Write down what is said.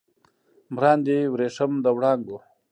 مراندې وریښم د وړانګو